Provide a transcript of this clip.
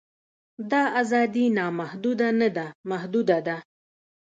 دا ازادي نامحدوده نه ده محدوده ده.